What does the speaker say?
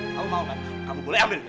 kamu mau kan kamu boleh ambil